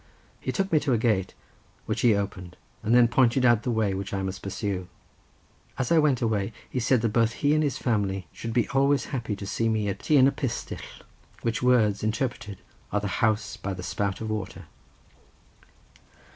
He took me to a gate, which he opened, and then pointed out the way which I must pursue. As I went away he said that both he and his family should be always happy to see me at Ty yn y Pistyll, which words, interpreted, are the house by the spout of water.